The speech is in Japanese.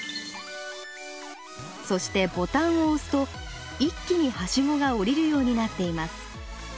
そしてボタンを押すと一気にはしごがおりるようになっています。